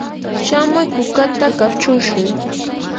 shamuy kukata kachushun.